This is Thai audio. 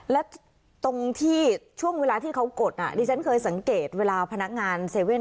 แล้วตรงที่ช่วงเวลาที่เขากดดิฉันเคยสังเกตเวลาพนักงาน๗๑๑